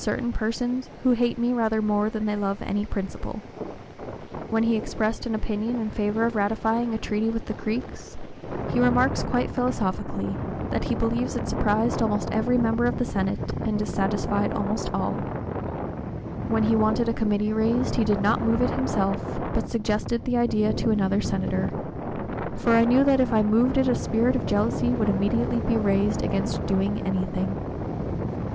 033) certain persons "who hate me rather more than they love any principle;" when he expressed an opinion in favor of ratifying a treaty with the Creeks, he remarks quite philosophically, that he believes it "surprised almost every member of the Senate, and dissatisfied almost all;" when he wanted a committee raised he did not move it himself, but suggested the idea to another Senator, for "I knew that if I moved it a spirit of jealousy would immediately be raised against doing anything."